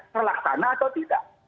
terlaksana atau tidak